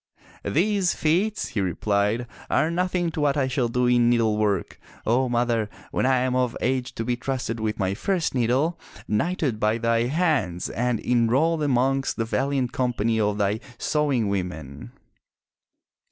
"These feats," he replied, "are nothing to what I shall do in needlework, O mother, when I am of age to be trusted with my first needle, knighted by thy hands and enrolled amongst the valiant company of thy sewing women!"